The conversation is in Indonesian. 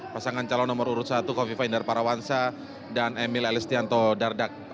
pasangan calon nomor urut satu kofifa indar parawansa dan emil elistianto dardak